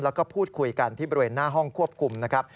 แล้วก็พูดคุยกันที่บริเวณหน้าห้องควบคุมนะครับ